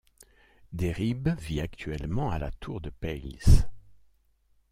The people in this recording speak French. Derib vit actuellement à La Tour-de-Peilz.